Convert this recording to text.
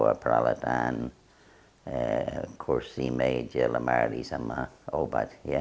membawa peralatan kursi meja lemari sama obat